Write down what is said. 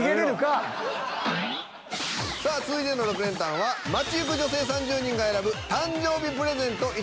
さあ続いての６連単は街行く女性３０人が選ぶ誕生日プレゼント